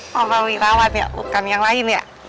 sama wirawan ya bukan yang lain ya